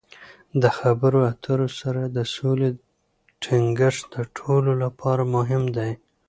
د خبرو اترو سره د سولې ټینګښت د ټولو لپاره مهم دی.